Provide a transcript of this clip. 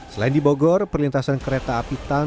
selain di bogor perlintasan kereta api tanpa jalan